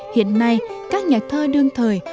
hiện nay các nhà thơ đương thời